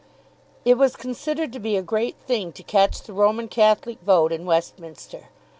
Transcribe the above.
It was considered to be a great thing to catch the Roman Catholic vote in Westminster.